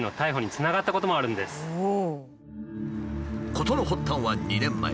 事の発端は２年前。